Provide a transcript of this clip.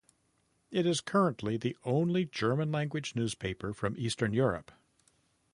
It is currently the only German-language newspaper from Eastern Europe.